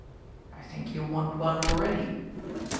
I thiiik yon want one already.